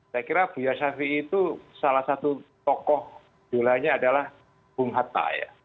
saya kira buia syafi'i itu salah satu tokoh dulanya adalah bung hatta ya